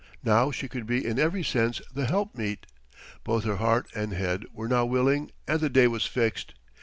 Now she could be in every sense the "helpmeet." Both her heart and head were now willing and the day was fixed.